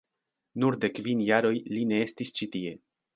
Nur de kvin jaroj li ne estis ĉi tie.